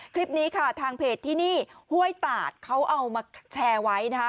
คลิปนี้ค่ะทางเพจที่นี่ห้วยตาดเขาเอามาแชร์ไว้นะคะ